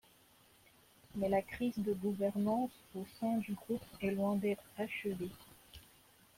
Mais la crise de gouvernance au sein du groupe est loin d’être achevée.